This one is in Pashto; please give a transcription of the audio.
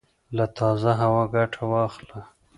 له تازه هوا ګټه واخله